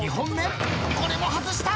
これも外した。